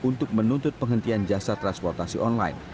untuk menuntut penghentian jasa transportasi online